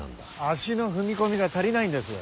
足の踏み込みが足りないんです。